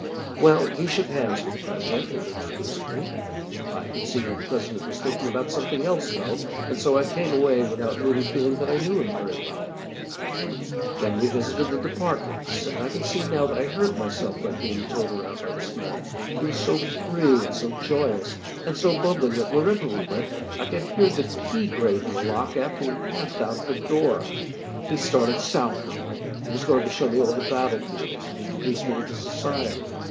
"Well, he shook hands with the President, and introduced me. I could see that the President was thinking about something else, though, and so I came away without really feeling that I knew him very well. "Then we visited the departments, and I can see now that I hurt myself by being towed around by this man. He was so free, and so joyous, and so bubbling, that wherever we went I could hear the key grate in the lock after we passed out of the door. "He started south with me. He was going to show me all the battle fields, and introduce me into society.